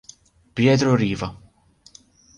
Pietro Riva